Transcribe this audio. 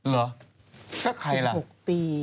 เลยหรือ